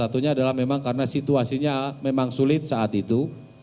salah satunya adalah memang karena situasinya memang sulit saat itu